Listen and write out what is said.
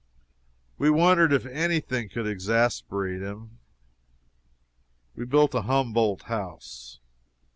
We wondered if any thing could exasperate him. We built a Humboldt house.